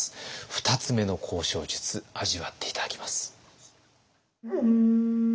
２つ目の交渉術味わって頂きます。